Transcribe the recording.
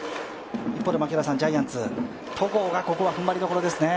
ジャイアンツ、戸郷がここは踏ん張りどころですね。